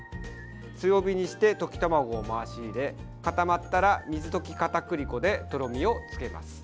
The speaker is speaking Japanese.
強火にして溶き卵を回し入れ固まったら水溶きかたくり粉でとろみをつけます。